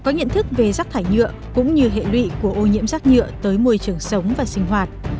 có nhận thức về rác thải nhựa cũng như hệ lụy của ô nhiễm rác nhựa tới môi trường sống và sinh hoạt